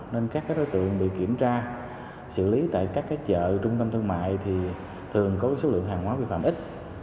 nên các đối tượng bị kiểm tra xử lý tại các chợ trung tâm thương mại thì thường có số lượng hàng hóa vi phạm ít